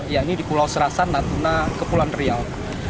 yang ini di pulau serasa natuna kepulauan riau